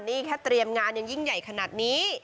นี่แค่เตรียมงานยังยิ่งใหญ่ขนาดนี้